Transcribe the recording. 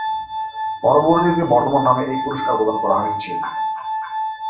পরবর্তীতে বর্তমান নামে এই পুরস্কার প্রদান করা হচ্ছে।